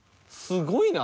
すごい。